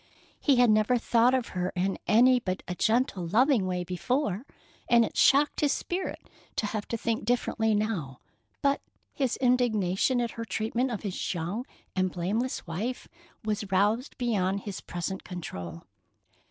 He had never thought of her in any but a gentle, loving way before, and it shocked his spirit to have to think differently now; but his indignation at her treatment of his young and blameless wife was roused beyond his present control.